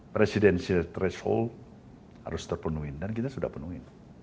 presidensial threshold harus terpenuhi dan kita sudah penuhi